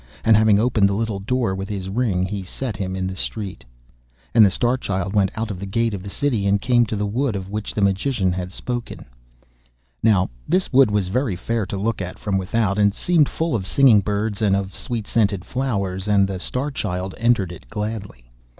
And having opened the little door with his ring he set him in the street. And the Star Child went out of the gate of the city, and came to the wood of which the Magician had spoken to him. Now this wood was very fair to look at from without, and seemed full of singing birds and of sweet scented flowers, and the Star Child entered it gladly.